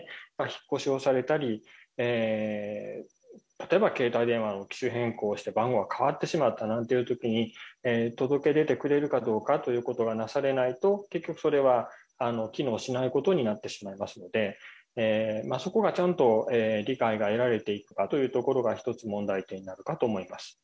引っ越しをされたり、例えば携帯電話を機種変更して番号が変わってしまったなんていうときに、届け出てくれるかどうかということがなされないと、結局それは機能しないことになってしまいますので、そこがちゃんと理解が得られていくかというところが、一つ問題点